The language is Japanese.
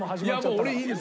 俺いいです。